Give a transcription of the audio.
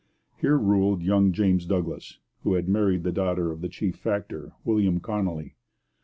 Here ruled young James Douglas, who had married the daughter of the chief factor William Connolly.